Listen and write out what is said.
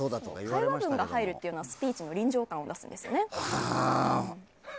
会話文が入るというのはスピーチの臨場感を増すんですよね。